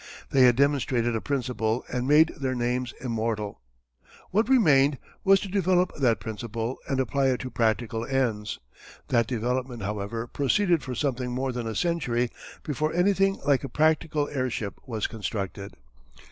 They had demonstrated a principle and made their names immortal. What remained was to develop that principle and apply it to practical ends. That development, however, proceeded for something more than a century before anything like a practical airship was constructed.